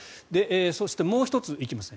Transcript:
そして、もう１つ行きますね。